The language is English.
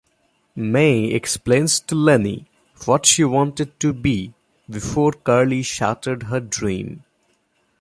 Mae explains to Lennie what she wanted to be before Curley shattered her dream.